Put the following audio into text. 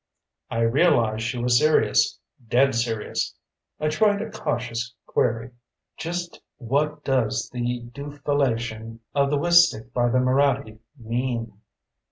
I realized she was serious. Dead serious. I tried a cautious query: "Just what does the dufellation of the Wistick by the Moraddy mean?"